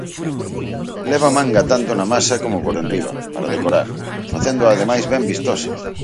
Leva manga tanto na masa como por enriba, para decorar, facéndoa ademais ben vistosa.